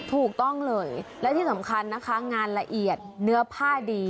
ถูกต้องเลยและที่สำคัญนะคะงานละเอียดเนื้อผ้าดี